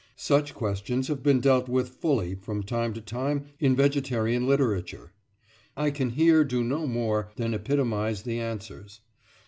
Such questions have been dealt with fully from time to time in vegetarian literature. I can here do no more than epitomise the answers.